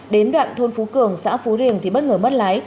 đến đoạn thôn phú cường xã phú riềng thì bất ngờ mất lái